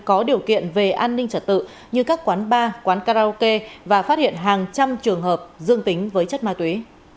có điều kiện về an ninh trật tự như các quán bar quán karaoke và phát hiện hàng trăm trường hợp dương tính với chất ma túy